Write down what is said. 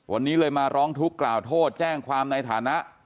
วันนี้เลยมาร้องทุกข์กล่าวโทษแจ้งความในฐานะ